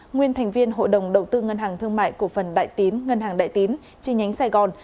nguyên thành viên hội đồng đầu tư ngân hàng thương mại cổ phần đại tín ngân hàng đại tín chi nhánh sài gòn